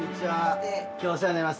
今日お世話になります。